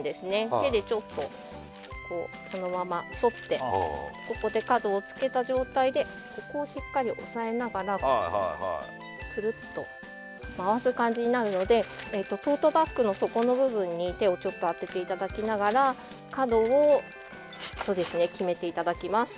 手でちょっとこうそのまま沿ってここで角をつけた状態でここをしっかり押さえながらクルッと回す感じになるのでトートバッグの底の部分に手をちょっと当てていただきながら角をそうですね決めていただきます